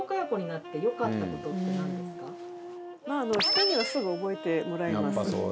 人にはすぐ覚えてもらえます。